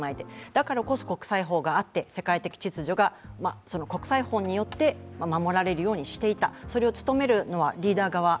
だからこそ国際法があって世界的秩序が国際法によって守られるようにしていた、それを努めるのはリーダー側。